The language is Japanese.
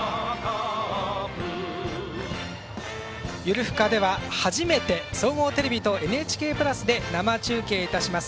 「ゆるふか」では初めて総合テレビとＮＨＫプラスで生中継いたします。